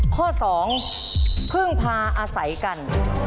ข้อ๒พึ่งพาอาศัยกัน